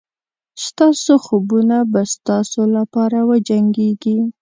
ستاسو خوبونه به ستاسو لپاره وجنګېږي.